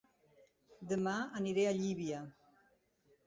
Dema aniré a Llívia